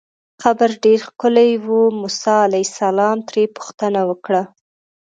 قبر ډېر ښکلی و، موسی علیه السلام ترې پوښتنه وکړه.